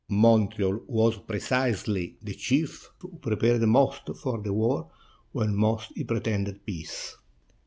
Montreal was precisely the chief who prepared most for war when most he pretended peace.